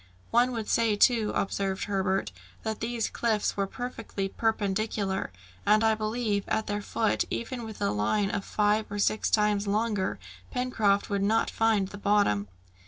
"One would say too," observed Herbert, "that these cliffs were perfectly perpendicular; and I believe that at their foot, even with a line five or six times longer, Pencroft would not find the bottom."